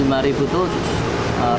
tapi suka pedas gitu